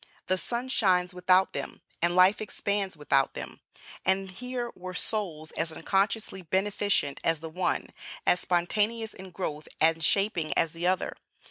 The sun shines without them, and life expands without them; and here were souls as unconsciously beneficent as the one, as spontaneous in growth and shaping as the other.